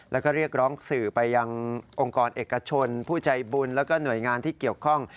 แล้วก็เรียกร้องสื่อไปยังองค์กรเอกชนผู้ใจบุญแล้วก็หน่วยงานที่เกี่ยวข้อง